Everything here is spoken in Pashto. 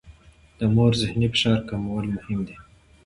د مور ذهني فشار کمول مهم دي.